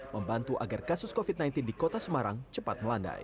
membantu agar kasus covid sembilan belas di kota semarang cepat melandai